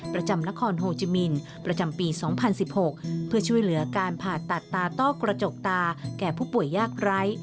ประจำนครโฮจิมินประจำปี๒๐๑๖เพื่อช่วยเหลือการผ่าตัดตาต้อกระจกตาแก่ผู้ป่วยยากไร้